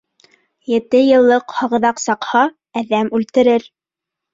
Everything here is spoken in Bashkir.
Ете йыллыҡ һағыҙаҡ саҡһа, әҙәм үлтерер.